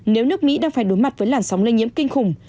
nếu nước mỹ đang phải đối mặt với làn sóng lây nhiễm kinh khủng